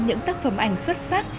những tác phẩm ảnh xuất sắc